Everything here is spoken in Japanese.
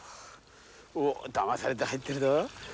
おっだまされて入ってるど。